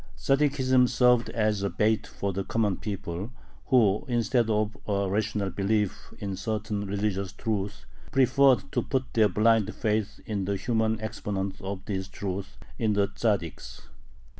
Tzaddikism served as a bait for the common people, who, instead of a rational belief in certain religious truths, preferred to put their blind faith in the human exponents of these truths in the Tzaddiks.